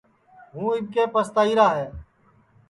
ہُوں اِٻکے پستائیرا ہے